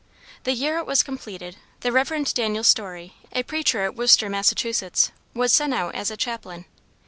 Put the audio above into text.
The year it was completed, the Rev. Daniel Storey, a preacher at Worcester, Massachusetts, was sent out as a chaplain.